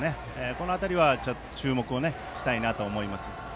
この辺り注目したいなと思います。